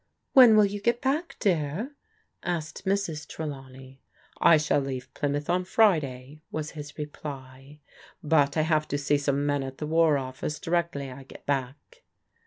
"When will you get back, dear?" asked Mrs. Tre lawney. " I shall leave Pl)rmouth on Friday," was his reply. " But I have to see some men at the War OflBce directly I get back."